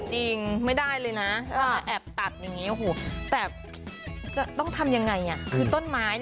จริงไม่ได้เลยนะแอบตัดแต่ต้องทำยังไง